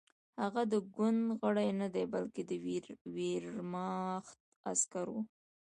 هغه د ګوند غړی نه دی بلکې د ویرماخت عسکر و